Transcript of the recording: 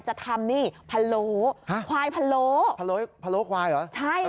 จะทำนี่พะโลควายพะโลพะโลพะโลควายเหรอใช่ค่ะ